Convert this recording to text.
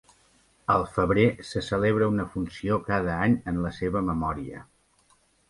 Al febrer se celebra una funció cada any en la seva memòria.